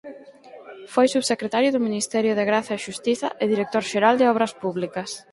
Foi Subsecretario do Ministerio de Graza e Xustiza e director xeral de Obras Públicas.